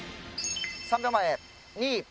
３秒前２。